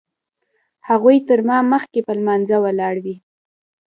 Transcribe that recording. هغوی تر ما مخکې په لمانځه ولاړ وي.